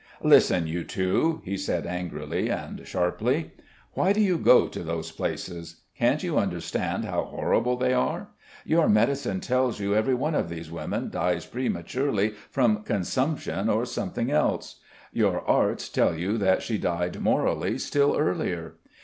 "Listen, you two," he said angrily and sharply. "Why do you go to those places? Can't you understand how horrible they are? Your medicine tells you every one of these women dies prematurely from consumption or something else; your arts tell you that she died morally still earlier.